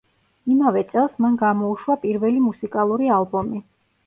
იმავე წელს მან გამოუშვა პირველი მუსიკალური ალბომი.